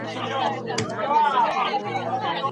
حکومتونه به د سولي خبري وکړي.